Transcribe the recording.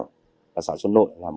rất là ý nghĩa